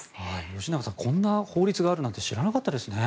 吉永さんこんな法律があるなんて知らなかったですね。